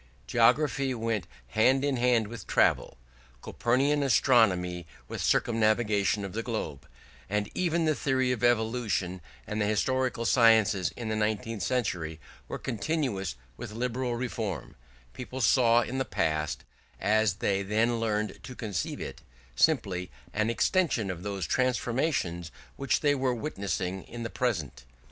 Geography went hand in hand with travel, Copernican astronomy with circumnavigation of the globe: and even the theory of evolution and the historical sciences in the nineteenth century were continuous with liberal reform: people saw in the past, as they then learned to conceive it, simply an extension of those transformations which they were witnessing in the present.